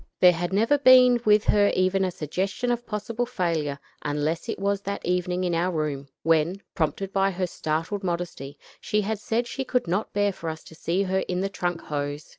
There had never been with her even a suggestion of possible failure, unless it was that evening in our room, when, prompted by her startled modesty, she had said she could not bear for us to see her in the trunk hose.